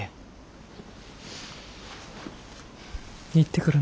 行ってくるね。